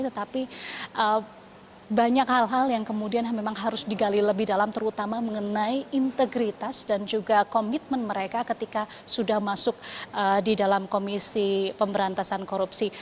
tetapi banyak hal hal yang kemudian memang harus digali lebih dalam terutama mengenai integritas dan juga komitmen mereka ketika sudah masuk di dalam komisi pemberantasan korupsi